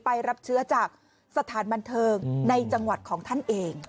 รับเชื้อจากสถานบันเทิงในจังหวัดของท่านเอง